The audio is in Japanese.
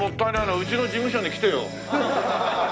うちの事務所に来てよ。